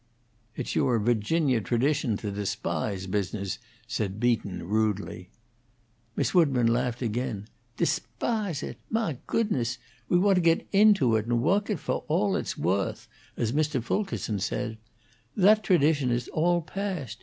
"It's your Virginia tradition to despise business," said Beaton, rudely. Miss Woodburn laughed again. "Despahse it? Mah goodness! we want to get into it and woak it fo' all it's wo'th,' as Mr. Fulkerson says. That tradition is all past.